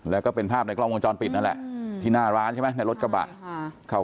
แล้วก็เป็นภาพในกล้องวงจรปิดนั่นแหละที่หน้าร้านใช่ไหมในรถกระบะ